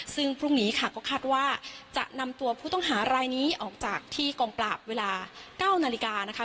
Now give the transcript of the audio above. ซึ่งพรุ่งนี้ค่ะก็คาดว่าจะนำตัวผู้ต้องหารายนี้ออกจากที่กองปราบเวลา๙นาฬิกานะคะ